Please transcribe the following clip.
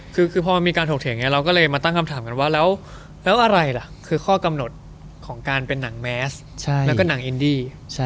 คือพอมันมีการถกเถียงเราก็เลยมาตั้งคำถามกันว่าแล้วอะไรล่ะคือข้อกำหนดของการเป็นหนังแมสแล้วก็หนังอินดี้